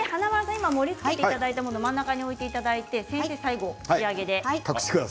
今盛りつけていただいたものも中に置いていただいて先生、最後仕上げで。